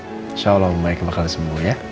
insya allah om baik bakal sembuh ya